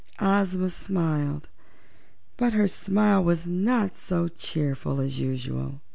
Ozma smiled, but her smile was not so cheerful as usual.